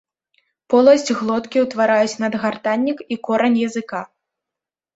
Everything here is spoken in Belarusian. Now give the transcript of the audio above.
Поласць глоткі ўтвараюць надгартаннік і корань языка.